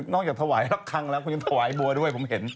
จากถวายละครั้งแล้วคุณยังถวายบัวด้วยผมเห็น